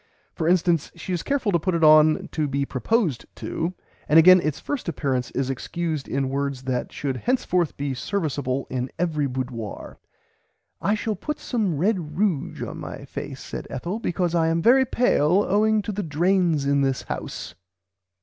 For instance, she is careful to put it on to be proposed to; and again its first appearance is excused in words that should henceforth be serviceable in every boudoir. "I shall put some red ruge on my face said Ethel becouse I am very pale owing to the drains in this house."